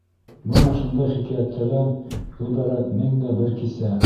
Бына шундай хикәйәттәрҙән ғибәрәт «Мең дә бер кисә».